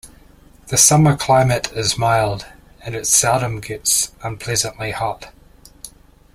The summer climate is mild, and it seldom gets unpleasantly hot.